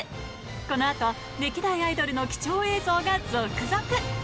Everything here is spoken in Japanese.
このあと、歴代アイドルの貴重映像が続々。